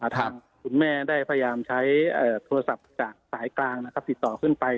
คุณแม่ได้พยายามใช้โทรศัพท์จากสายกลางติดต่อขึ้นไป